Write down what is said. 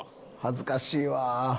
恥ずかしいわ。